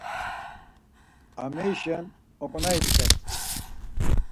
Amerişen oǩonayitzǩet.